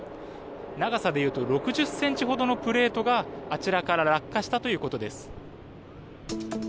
長さでいうと６０ｃｍほどのプレートがあちらから落下したということです。